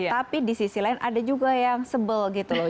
tapi di sisi lain ada juga yang sebel gitu